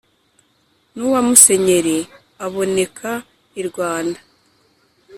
n’uwa musenyeeri aboneka i rwanda